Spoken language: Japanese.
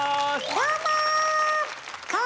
どうも！